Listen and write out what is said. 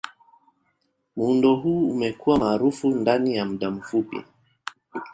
Muundo huu umekuwa maarufu ndani ya muda mfupi.